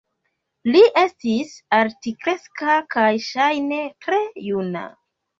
Li estis altkreska kaj ŝajne tre juna.